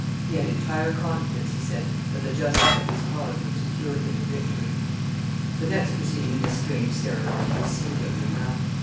He had entire confidence, he said, that the justice of his cause would secure him the victory. [Sidenote: Singular oath administered.] The next proceeding in this strange ceremony was singular enough.